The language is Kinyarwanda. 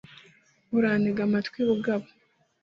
urantege amatwi bugabo